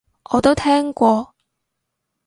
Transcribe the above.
我都聽過